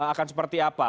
akan seperti apa